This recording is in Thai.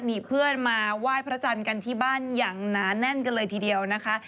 มีเพื่อนมาไหว้พระจันทร์กันที่บ้านอย่างหนาแน่นกันเลยทีเดียวนะคะ